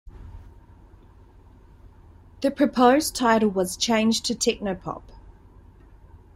The proposed title was changed to "Techno Pop".